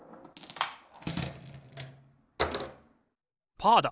パーだ！